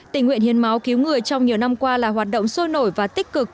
tình nguyện hiến máu cứu người trong nhiều năm qua là hoạt động sôi nổi và tích cực